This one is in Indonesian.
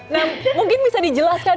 nah mungkin bisa dijelaskan